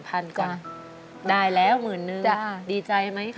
อเรนนี่แจ๋าได้แล้วหมื่นนึงดีใจไหมคะ